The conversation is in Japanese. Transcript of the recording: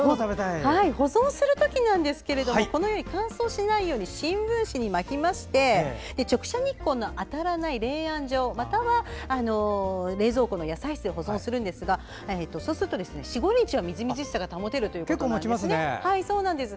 保存する時なんですが乾燥しないように新聞紙に巻きまして直射日光の当たらない冷暗所または冷蔵庫の野菜室で保存するんですがそうすると４５日はみずみずしさが保てるということなんです。